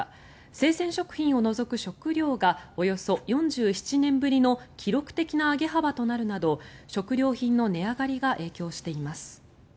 生鮮食品を除く食料がおよそ４７年ぶりの記録的な上げ幅となるなど食料品の値上がりが影響しています。